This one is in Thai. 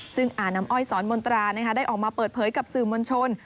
ซึ่งอาน้ำอ้อยสอนมนตราได้ออกมาเปิดเผยกับสื่อมวลชน